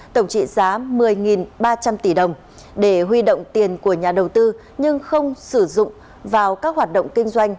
tổng trị giá một mươi ba trăm linh tỷ đồng để huy động tiền của nhà đầu tư nhưng không sử dụng vào các hoạt động kinh doanh